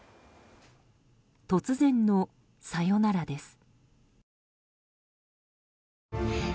突然のさよならです。